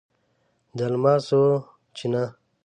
د الماسو چینه